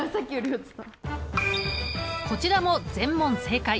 こちらも全問正解。